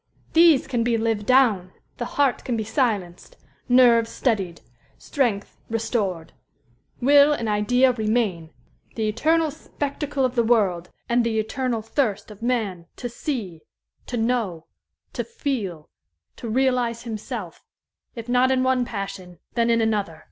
These can be lived down. The heart can be silenced nerves steadied strength restored. Will and idea remain the eternal spectacle of the world, and the eternal thirst of man to see, to know, to feel, to realize himself, if not in one passion, then in another.